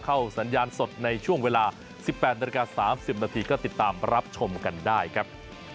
สัญญาณสดในช่วงเวลา๑๘นาฬิกา๓๐นาทีก็ติดตามรับชมกันได้ครับ